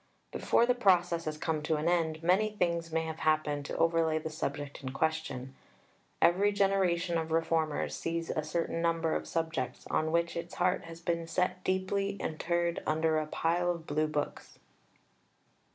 Before the process has come to an end, many things may have happened to overlay the subject in question. Every generation of reformers sees a certain number of subjects on which its heart has been set deeply interred under a pile of Blue books.